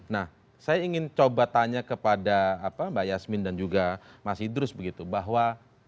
nah saya ingin coba tanya kepada mbak yasmin dan juga mas idrus begitu bahwa